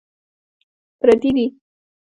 پردي دي.